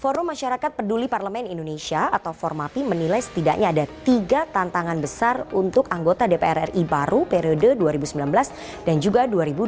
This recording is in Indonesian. forum masyarakat peduli parlemen indonesia atau formapi menilai setidaknya ada tiga tantangan besar untuk anggota dpr ri baru periode dua ribu sembilan belas dan juga dua ribu dua puluh